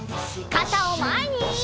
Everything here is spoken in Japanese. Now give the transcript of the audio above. かたをまえに！